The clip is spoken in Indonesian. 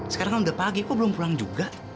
sekarang kan udah pagi kok belum pulang juga